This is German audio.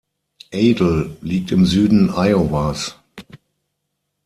Adel liegt im Süden Iowas.